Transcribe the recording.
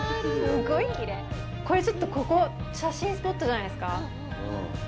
これ、ちょっとここ写真スポットじゃないですか？